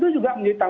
itu juga menyebabkan